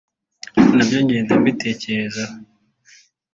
nabyo ngenda mbitekerezaho